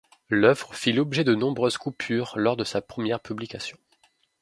L'œuvre fit l'objet de nombreuses coupures lors de sa première publication.